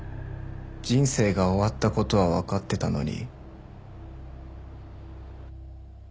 人生が終わった事はわかってたのに。